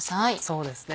そうですね